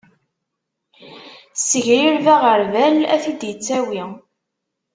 Ssegrireb aɣerbal ad t-id-ittawi.